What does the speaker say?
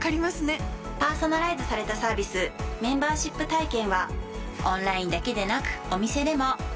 パーソナライズされたサービスメンバーシップ体験はオンラインだけでなくお店でも。